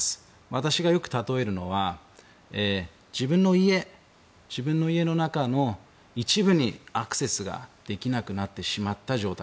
私がよく例えるのは自分の家の中の一部にアクセスができなくなってしまった状態。